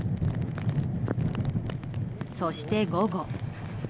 そして、午後。